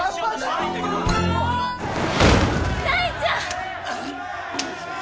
大ちゃん！